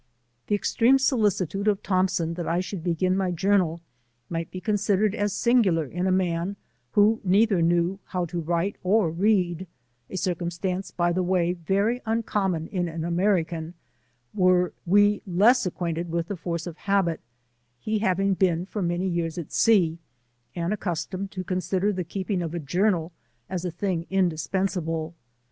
The extreme solicitude of Thompson that«I F 6i should begin my journal, might be'considered as singular in a man, who neither knew how to read or write, a circumstance by the way, very uncom mon in an America, were we less acquainted with the force of habit, he baving been for many years at sea, and accustomed to consider the keeping of a journal as a thing indispensable.